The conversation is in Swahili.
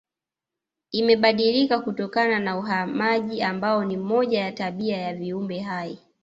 Imebadilika kutokana na uhamaji ambao ni moja ya tabia ya viumbe hai